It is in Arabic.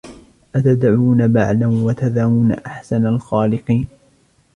أتدعون بعلا وتذرون أحسن الخالقين